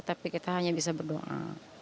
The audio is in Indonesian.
tapi kita hanya bisa berdoa